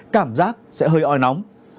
cảm giác sẽ hơi oi nóng